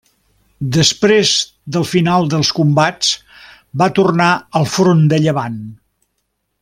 Després del final dels combats va tornar al front de Llevant.